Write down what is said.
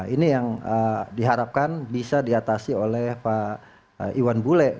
ini yang diharapkan bisa diatasi oleh pak iwan bule